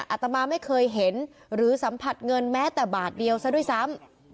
อาตมาไม่เคยเห็นหรือสัมผัสเงินแม้แต่บาทเดียวซะด้วยซ้ำ